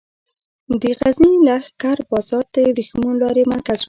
د غزني لښکر بازار د ورېښمو لارې مرکز و